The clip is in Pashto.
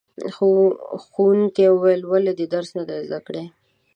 ښوونکي وویل ولې دې درس نه دی زده کړی؟